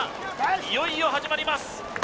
いよいよ始まります